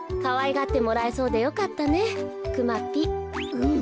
うん。